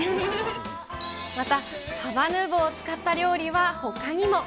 また、サバヌーヴォーを使った料理はほかにも。